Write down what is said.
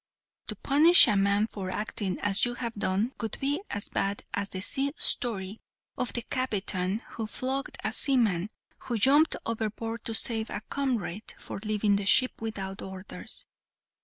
To punish a man for acting as you have done would be as bad as the sea story of the captain who flogged a seaman, who jumped overboard to save a comrade, for leaving the ship without orders.